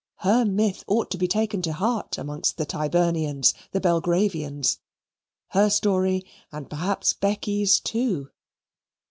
Her myth ought to be taken to heart amongst the Tyburnians, the Belgravians her story, and perhaps Becky's too.